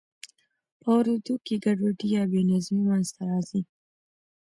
په اوریدو کې ګډوډي یا بې نظمي منځ ته راځي.